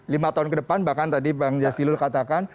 lima tahun ke depan bahkan tadi bang jasilul katakan